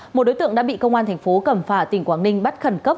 một đối tượng đã bị công an thành phố cẩm phả tỉnh quảng ninh bắt khẩn cấp